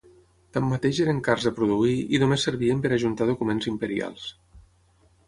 Tanmateix eren cars de produir i només servien per ajuntar documents imperials.